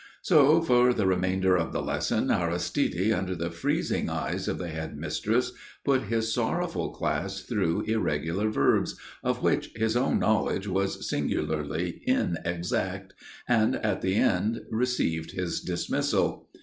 So for the remainder of the lesson Aristide, under the freezing eyes of the head mistress, put his sorrowful class through irregular verbs, of which his own knowledge was singularly inexact, and at the end received his dismissal.